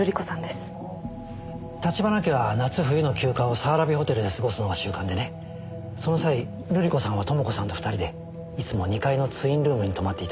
橘家は夏冬の休暇を早蕨ホテルで過ごすのが習慣でねその際瑠璃子さんは朋子さんと２人でいつも２階のツインルームに泊まっていたんです。